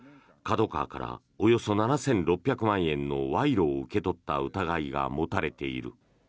ＫＡＤＯＫＡＷＡからおよそ７６００万円の賄賂を受け取った疑いが持たれている。